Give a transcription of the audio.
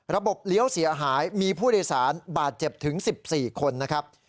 เลี้ยวเสียหายมีผู้โดยสารบาดเจ็บถึง๑๔คนนะครับ